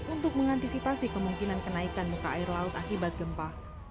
untuk mengantisipasi kemungkinan kenaikan muka air laut akibat gempa